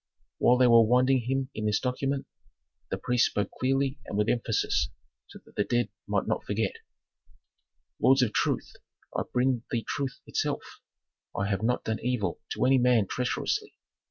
While they were winding him in this document the priest spoke clearly and with emphasis, so that the dead might not forget: "Lords of truth, I bring thee truth itself. I have not done evil to any man treacherously.